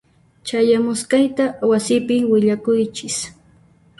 Chayamusqayta wasipi willakuychis.